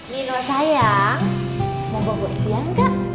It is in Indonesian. nino sayang mau bawa buah siang gak